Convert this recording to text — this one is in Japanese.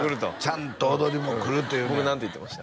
ちゃんと踊りも来る僕何て言ってました？